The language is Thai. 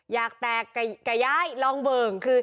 อยากแตกกะย้ายลองเบิ่ง